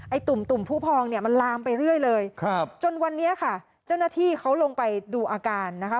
ตุ่มตุ่มผู้พองเนี่ยมันลามไปเรื่อยเลยครับจนวันนี้ค่ะเจ้าหน้าที่เขาลงไปดูอาการนะคะ